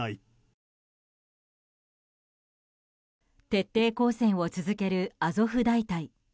徹底抗戦を続けるアゾフ大隊。